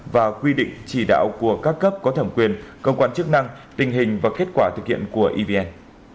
và quy định chỉ đạo của các cấp có thẩm quyền cơ quan chức năng tình hình và kết quả thực hiện của evn